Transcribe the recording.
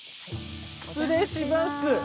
失礼します。